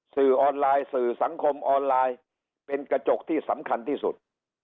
สื่อออนไลน์สื่อสังคมออนไลน์เป็นกระจกที่สำคัญที่สุด